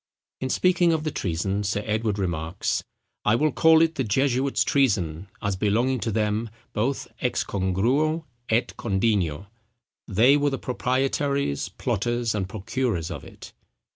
In speaking of the treason, Sir Edward remarks, "I will call it the jesuits' treason, as belonging to them, both ex congruo et condigno: they were the proprietaries, plotters, and procurers of it."